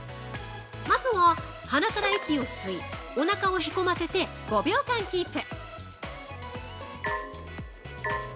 まずは、鼻から息を吸いおなかをへこませて５秒間キープ。